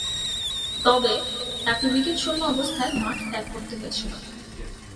তবে, তাকে উইকেট শূন্য অবস্থায় মাঠ ত্যাগ করতে হয়েছিল।